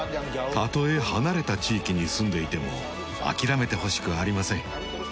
たとえ離れた地域に住んでいても諦めてほしくありません。